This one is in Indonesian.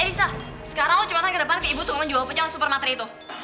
elisa sekarang lu cepetan ke depan ke ibu tunggu jual pejalan super materi itu